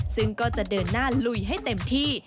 ซึ่งก็จะเดินหน้าลุยให้เต็มที่